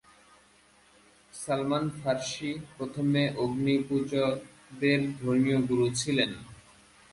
Salman Farsi প্রথমে অগ্নিপূজকদের ধর্মীয় গুরু ছিলেন।